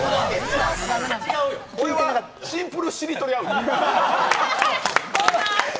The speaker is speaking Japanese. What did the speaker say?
これはシンプルしりとりアウト！